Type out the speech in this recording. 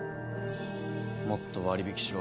もっと割引しろ。